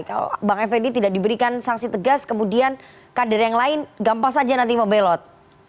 kalau bang effendi tidak diberikan sanksi tegas kemudian kader yang lain gampang saja nanti membelot